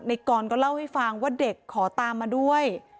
กรก็เล่าให้ฟังว่าเด็กขอตามมาด้วย